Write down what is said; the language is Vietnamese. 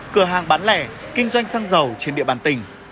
cửa hàng bán lẻ kinh doanh xăng dầu trên địa bàn tỉnh